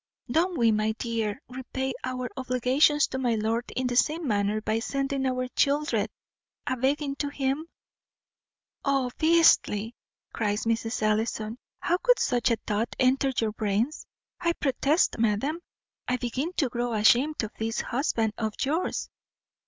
Don't we, my dear, repay our obligations to my lord in the same manner, by sending our children a begging to him?" "O beastly!" cries Mrs. Ellison; "how could such a thought enter your brains? I protest, madam, I begin to grow ashamed of this husband of yours.